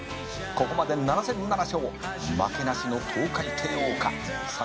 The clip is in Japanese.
「ここまで７戦７勝負けなしのトウカイテイオーか」